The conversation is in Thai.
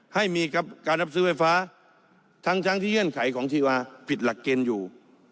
ให้มีการรับซื้อไฟฟ้าทั้งที่เงื่อนไขของชีวาผิดหลักเกณฑ์อยู่